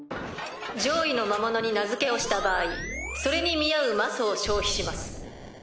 上位の魔物に名付けをした場合それに見合う魔素を消費します。